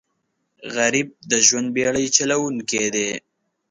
غریب د ژوند بېړۍ چلوونکی دی